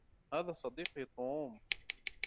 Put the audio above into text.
هذا صديقي توم.